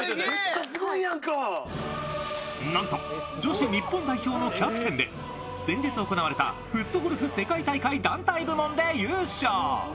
なんと、女子日本代表のキャプテンで、先日行われたフットゴルフ世界大会団体部門で優勝。